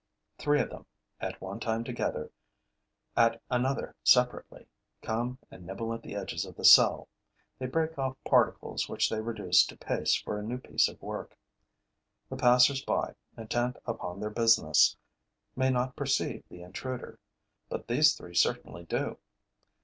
Three of them, at one time together, at another separately, come and nibble at the edges of the cell; they break off particles which they reduce to paste for a new piece of work. The passers by, intent upon their business, may not perceive the intruder; but these three certainly do.